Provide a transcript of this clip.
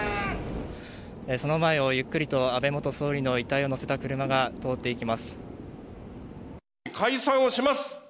その前をゆっくりと安倍元総理の遺体を乗せた車が通っていきます。